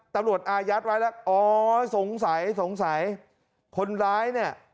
อายัดไว้แล้วอ๋อสงสัยสงสัยคนร้ายเนี่ย